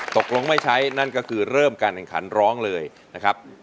ตกลงไม่ใช้นั่นก็คือเริ่มการแข่งขันร้องเลยนะครับ